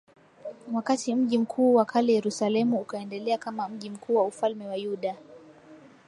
wakati mji mkuu wa kale Yerusalemu ukaendelea kama mji mkuu wa ufalme wa Yuda